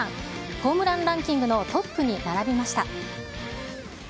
ホームランランキングのトップに並びました。